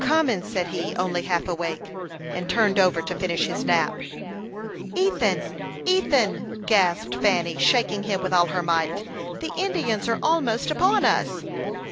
"I'm comin'," said he, only half awake, and turned over to finish his nap. "Ethan, Ethan!" gasped Fanny, shaking him with all her might, "the Indians are almost upon us."